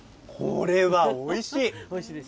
これはおいしい。